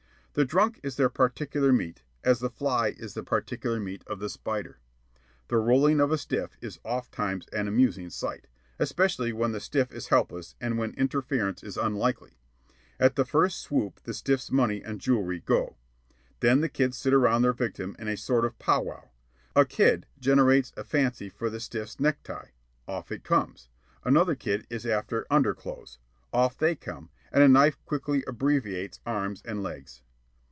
The drunk is their particular meat, as the fly is the particular meat of the spider. The rolling of a stiff is ofttimes an amusing sight, especially when the stiff is helpless and when interference is unlikely. At the first swoop the stiff's money and jewellery go. Then the kids sit around their victim in a sort of pow wow. A kid generates a fancy for the stiff's necktie. Off it comes. Another kid is after underclothes. Off they come, and a knife quickly abbreviates arms and legs.